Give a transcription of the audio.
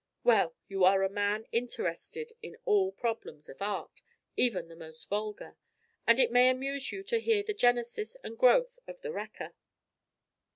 Well, you are a man interested in all problems of art, even the most vulgar; and it may amuse you to hear the genesis and growth of The Wrecker.